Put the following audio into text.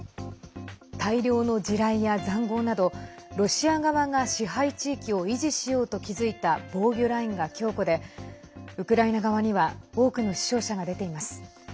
大量の地雷や、ざんごうなどロシア側が支配地域を維持しようと築いた防御ラインが強固でウクライナ側には多くの死傷者が出ています。